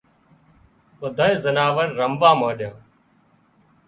ٻڌانئي زناور رموا مانڏيا